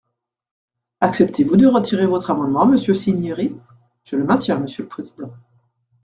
Acceptez-vous de retirer votre amendement, monsieur Cinieri ? Je le maintiens, monsieur le président.